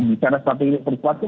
di cara strategis perkuatnya